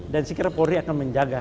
dan sekiranya polri akan menjaga